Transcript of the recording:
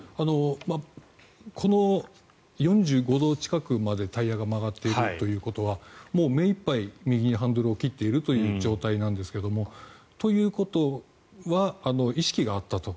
この４５度近くまでタイヤが曲がっているということはもう目いっぱい右にハンドルを切っているという状態なんですけどもということは、意識があったと。